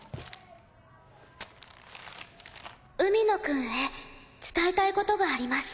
「海野君へ伝えたい事があります」